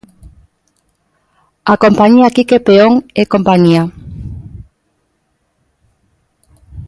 A compañía Quique Peón e Compañía.